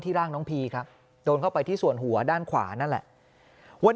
ร่างน้องพีครับโดนเข้าไปที่ส่วนหัวด้านขวานั่นแหละวัน